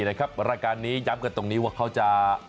หลักการนี้ย้ำเดือดตรงนี้ว่าเขาจะ